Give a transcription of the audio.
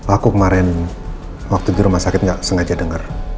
aku kemarin waktu di rumah sakit gak sengaja denger